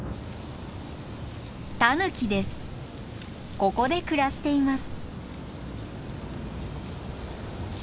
ここで暮らしています。